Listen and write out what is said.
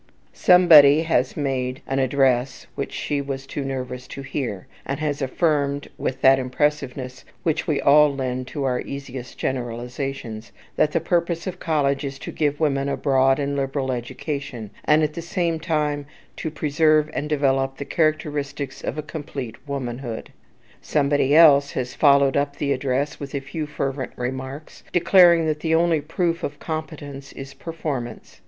Somebody has made an address which she was too nervous to hear, and has affirmed, with that impressiveness which we all lend to our easiest generalizations, that the purpose of college is to give women a broad and liberal education, and, at the same time, to preserve and develop the characteristics of a complete womanhood. Somebody else has followed up the address with a few fervent remarks, declaring that the only proof of competence is performance.